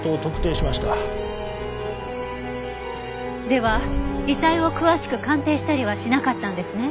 では遺体を詳しく鑑定したりはしなかったんですね。